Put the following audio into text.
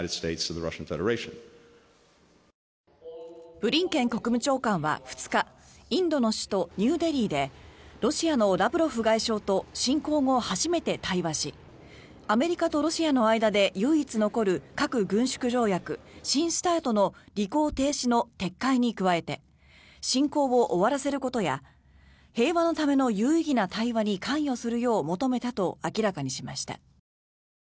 ブリンケン国務長官は２日インドの首都ニューデリーでロシアのラブロフ外相と侵攻後初めて対話しアメリカとロシアの間で唯一残る核軍縮条約、新ＳＴＡＲＴの履行停止の撤回に加えて侵攻を終わらせることや平和のための有意義な対話に関与するよう求めたと明らかにしました。